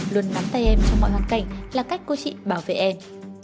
luôn nắm tay em trong mọi hoàn cảnh là cách cô chị bảo vệ em